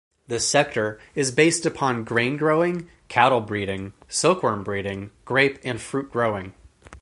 This sector is based upon grain-growing, cattle-breeding, silkworm-breeding, grape and fruit growing.